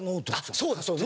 そうだそうだ。